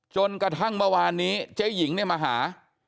จนกระทั่งเมื่อวานนี้เจ๊หญิงเนี่ยมาหา